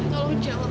tolong jawab pak